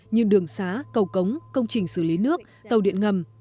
như đường xá cầu cống công trình xử lý nước tàu điện ngầm